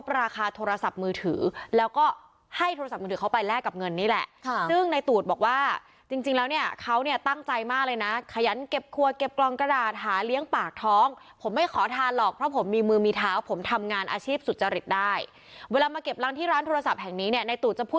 ราคาโทรศัพท์มือถือแล้วก็ให้โทรศัพท์มือถือเขาไปแลกกับเงินนี่แหละซึ่งในตูดบอกว่าจริงแล้วเนี่ยเขาเนี่ยตั้งใจมากเลยนะขยันเก็บครัวเก็บกล่องกระดาษหาเลี้ยงปากท้องผมไม่ขอทานหรอกเพราะผมมีมือมีเท้าผมทำงานอาชีพสุจริตได้เวลามาเก็บรังที่ร้านโทรศัพท์แห่งนี้เนี่ยในตูดจะพูด